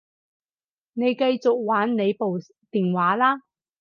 你繼續玩你部電話啦